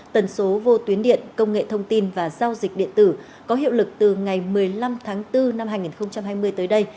tần số vô tuyến điện công nghệ thông tin và giao dịch điện tử có hiệu lực từ ngày một mươi năm tháng bốn năm hai nghìn hai mươi tới đây